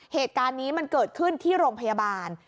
เหตุการณ์นี้มันเกิดขึ้นที่โรงพยาบาล